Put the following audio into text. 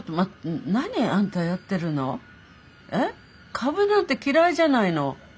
株なんて嫌いじゃないの。